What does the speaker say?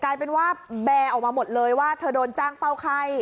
กลายเป็นว่าแบร์ออกมาหมดเลยว่าเธอโดนจ้างเฝ้าไข้